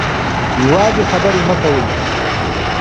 یوازې خبرې مه کوئ.